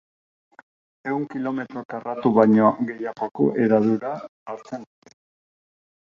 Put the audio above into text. Ehun kilometro karratu baino gehiagoko hedadura hartzen dute.